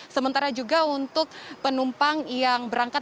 sementara juga untuk penumpang yang berangkat